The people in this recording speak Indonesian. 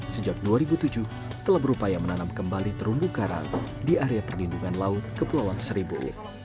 sejak dua ribu tujuh telah berupaya menanam kembali terumbu karang di area perlindungan laut kepulauan seribu